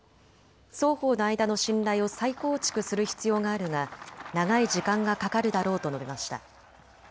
双方の間の信頼を再構築する必要があるが長い時間がかかるだろうと述べました。